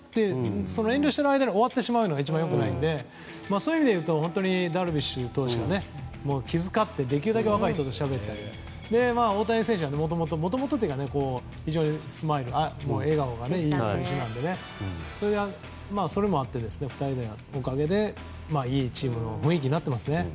その遠慮している間に終わってしまうのが一番良くないのでダルビッシュ投手が気遣ってできるだけ若い人としゃべったり大谷選手は非常に笑顔がいい選手ですのでそれもあって２人のおかげでいいチームの雰囲気になってますね。